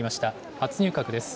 初入閣です。